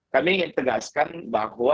kami ingin tegaskan bahwa